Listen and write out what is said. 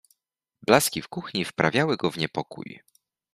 Blaski w kuchni wprawiały go w niepokój.